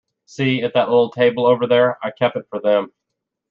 See, at that little table over there? I kept it for them.